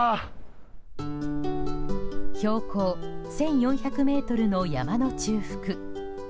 標高１４００ｍの山の中腹。